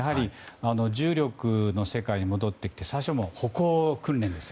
重力の世界に戻ってきて最初は歩行訓練です。